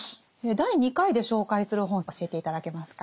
第２回で紹介する本教えて頂けますか？